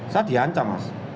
saya di ancam mas